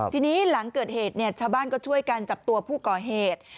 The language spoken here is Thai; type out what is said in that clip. ทีนี้หลังเกิดเหตุชาวบ้านก็ช่วยกันจับตัวผู้ก่อเหตุ